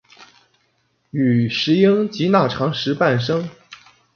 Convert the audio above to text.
与石英及钠长石伴生。